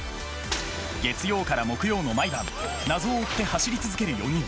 月曜から木曜の毎晩謎を追って走り続ける４人。